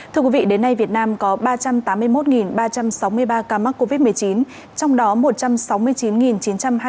thưa quý vị đến nay việt nam có ba trăm tám mươi một ba trăm sáu mươi ba ca mắc covid một mươi chín trong đó một trăm sáu mươi chín chín trăm hai mươi ca